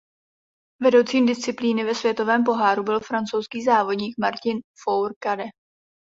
Vedoucím disciplíny ve světovém poháru byl francouzský závodník Martin Fourcade.